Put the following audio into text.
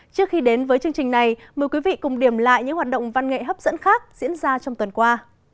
trước khi đến với chương trình này mời quý vị cùng điểm lại những hoạt động văn nghệ hấp dẫn khác diễn ra trong tuần qua